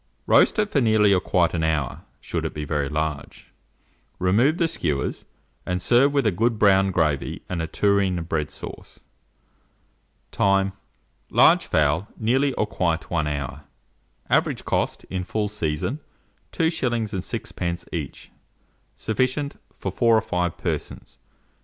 Roast it for nearly or quite an hour, should it be very large; remove the skewers, and serve with a good brown gravy and a tureen of bread sauce. Time. Large fowl, nearly or quite 1 hour. Average cost, in full season, 2s. 6d. each. Sufficient for 4 or 5 persons.